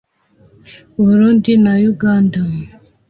Burundi na Uganda